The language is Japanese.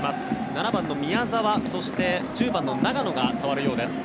７番の宮澤、そして１０番の長野が代わるようです。